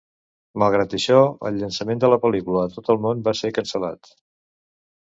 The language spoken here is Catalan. Malgrat això, el llançament de la pel·lícula a tot el món va ser cancel·lat.